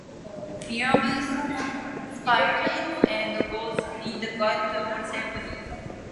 Fear of spirits and ghosts is the guide to all ceremonies.